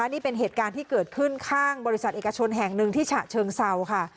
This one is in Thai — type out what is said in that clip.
นี่เป็นเหตุการณ์ที่เกิดขึ้นข้างบริษัทเอกชนแห่งหนึ่งที่ฉะเชิงเซาค่ะ